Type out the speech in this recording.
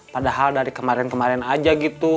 padahal dari kemarin kemarin aja gitu